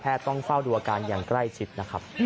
ต้องเฝ้าดูอาการอย่างใกล้ชิดนะครับ